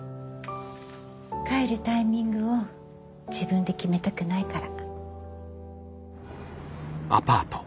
帰るタイミングを自分で決めたくないから。